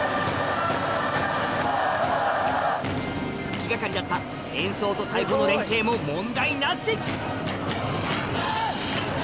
気がかりだった演奏と太鼓の連携も問題なし！